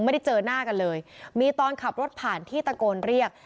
ไม่ได้เจอหน้ากันเลยมีตอนขับรถผ่านที่ตะโกนเรียก